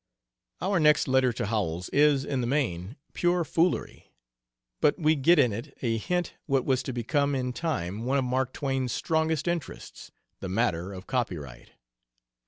Our next letter to Howells is, in the main, pure foolery, but we get in it a hint what was to become in time one of Mask Twain's strongest interests, the matter of copyright.